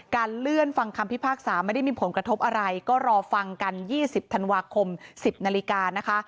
เลื่อนฟังคำพิพากษาไม่ได้มีผลกระทบอะไรก็รอฟังกัน๒๐ธันวาคม๑๐นาฬิกานะคะ